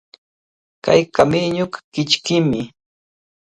Kay kamiñuqa kichkimi.